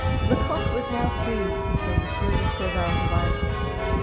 Lecoq was now free until M. d'Escorval's arrival.